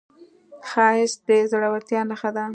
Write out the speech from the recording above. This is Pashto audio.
ښایست د زړورتیا نښه ده